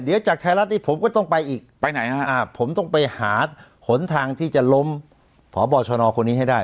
เดี๋ยวจากไทยรัฐนี้ผมก็ต้องไปอีกไปไหนฮะอ่าผมต้องไปหาหนทางที่จะล้มพบชนคนนี้ให้ได้